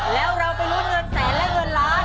แล้วเราไปลุ้นเงินแสนและเงินล้าน